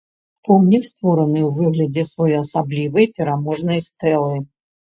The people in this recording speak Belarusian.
Помнік створаны ў выглядзе своеасаблівай пераможнай стэлы.